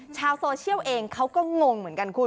ชาวโซเชียลเองเขาก็งงเหมือนกันคุณ